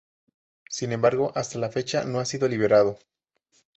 Sin embargo hasta la fecha no ha sido liberado.